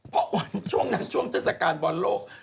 เพราะวันช่วงนั้นช่วงเทศกาลบอลโลก